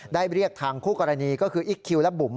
เรียกทางคู่กรณีก็คืออิ๊กคิวและบุ๋ม